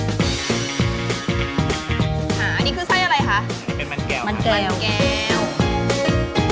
สวัสดีค่ะสวัสดีค่ะสวัสดีค่ะ